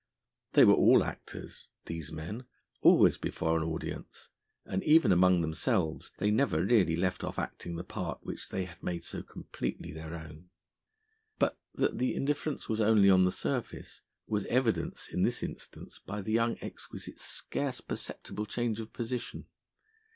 They were all actors, these men, always before an audience, and even among themselves they never really left off acting the part which they had made so completely their own. But that the indifference was only on the surface was evidenced in this instance by the young exquisite's scarce perceptible change of position.